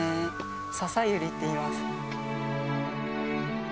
ササユリっていいます。